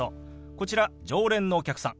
こちら常連のお客さん。